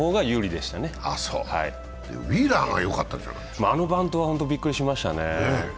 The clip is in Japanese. でも、ウィーラーがよかったあのバントは本当にびっくりしましたね。